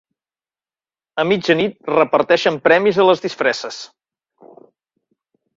A mitja nit reparteixen premis a les disfresses.